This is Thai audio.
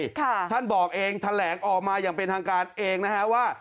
ท่านบอกเองแถลงออกมาอย่างเป็นทางการเองนะฮะว่า